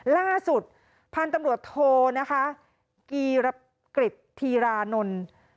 ล่าสุดพันธุ์ตำรวจโทนะคะกีรกฤษธีรานนท์